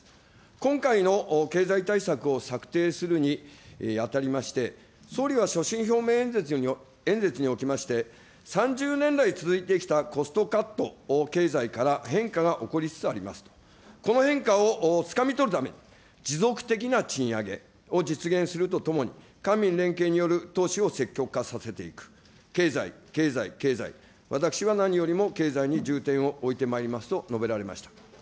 今回の経済対策を策定するにあたりまして、総理は所信表明演説におきまして、３０年来続いてきたコストカット経済から変化が起こりつつありますと、この変化をつかみ取るため、持続的な賃上げを実現するとともに、官民連携による投資を積極化させていく、経済、経済、経済、私は何よりも経済に重点を置いてまいりますと述べられました。